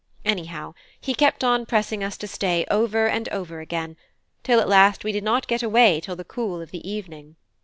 Anyhow, he kept on pressing us to stay over and over again, till at last we did not get away till the cool of the evening.